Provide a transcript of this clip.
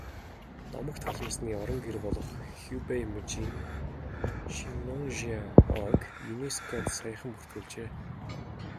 Домогт алмасны орон гэр болох Хубэй мужийн Шеннонжиа ойг ЮНЕСКО-д саяхан бүртгүүлжээ.